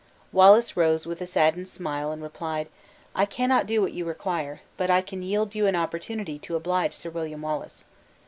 Wallace rose with a saddened smile, and replied: "I cannot do what you require; but I can yield you an opportunity to oblige Sir William Wallace.